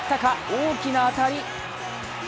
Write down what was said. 大きな当たり。